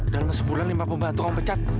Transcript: dalam sebulan lima pembuahan tukang pecat